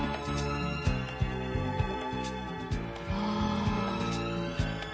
ああ！